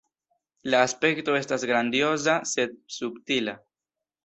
La aspekto estas grandioza sed subtila.